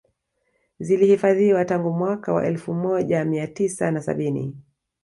Zilihifadhiwa tangu mwaka wa elfu mojamia tisa na sabini